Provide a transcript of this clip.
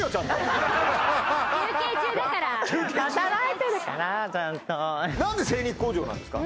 休憩中だから働いてるからちゃんとなんで精肉工場なんですか？